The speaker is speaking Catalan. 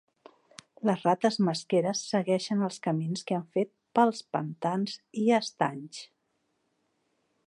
Les rates mesqueres segueixen els camins que han fet pels pantans i estanys.